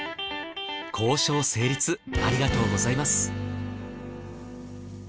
交渉成立ありがとうございます。